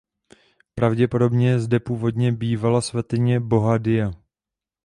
Pravděpodobně zde původně bývala svatyně boha Dia.